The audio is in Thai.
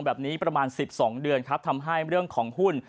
ประมาณ๑๒เดือนครับทำให้เรื่องของหุ้น